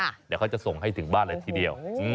เดี๋ยวเขาจะส่งให้ถึงบ้านเลยทีเดียว